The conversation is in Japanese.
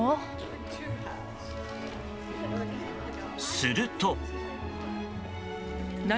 すると。